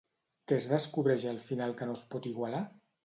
Què es descobreix al final que no es pot igualar?